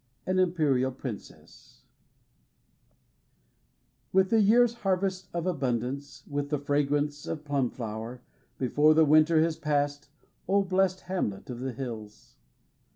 An imperial princess With the year's harvest Of abundance With the fragrance of plum flower Before the winter has passed, O blest hamlet of the hills